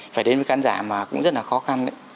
phải đến với khán giả mà cũng rất là khó khăn